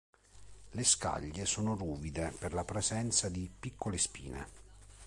Le scaglie sono ruvide per la presenza di piccole spine.